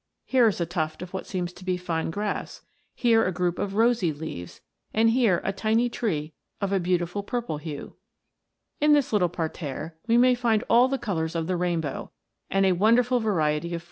Here is a tuft of what seems to be fine grass; here a group of rosy leaves; and here a tiny tree of a beautiful purple hue. In this little parterre we may find all the colours of the rainbow, and a wonderful variety of forms; * Green Laver or Ulva.